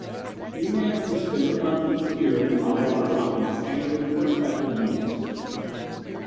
He managed to spend a month each year in the Colorado Rockies angling for speckled beauties.